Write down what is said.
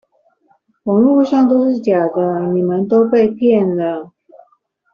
網路上都是假的，你們都被騙了